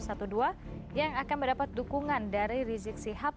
kornas pa dua ratus dua belas yang akan mendapat dukungan dari rizik syihab